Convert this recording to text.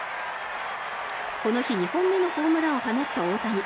この日２本目のホームランを放った大谷。